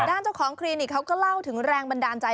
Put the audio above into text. เจ้าของคลินิกเขาก็เล่าถึงแรงบันดาลใจ